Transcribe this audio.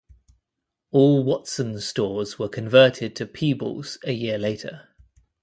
All Watson's stores were converted to Peebles a year later.